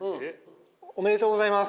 おめでとうございます。